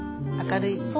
明るい。